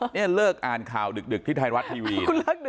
นี่เลิกอ่านข่าวดึกที่ไทยรัฐทีวี